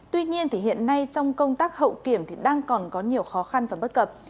tuy nhiên hiện nay trong công tác hậu kiểm thì đang còn có nhiều khó khăn và bất cập